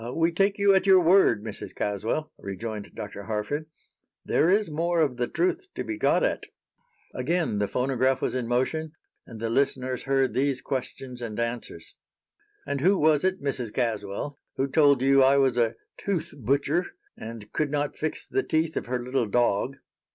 "We take you at your word, Mrs. Caswell," rejoined Dr. Harford. "There is more of the truth to be got at." Again the phonograph was in motion, and the listeners heard these questions and answers: "And who was it, Mrs. Caswell, who told you I was a 'tooth butcher' and could not fix the teeth of her little dog?"